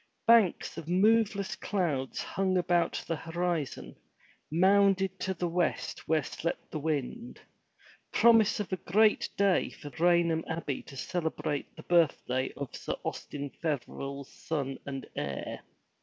Banks of moveless clouds hung about the horizon, mounded to the west where slept the wind, — promise of a great day for Raynham Abbey to celebrate the birthday of Sir Austin Feverers son and heir.